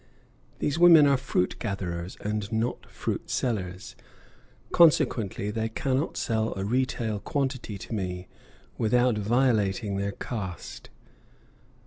These women are fruit gatherers and not fruit sellers, consequently they cannot sell a retail quantity to me without violating their caste.